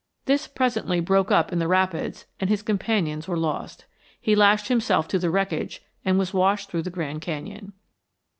This presently broke up in the rapids and his companions were lost. He lashed himself to the wreckage and was washed through the Grand Canyon.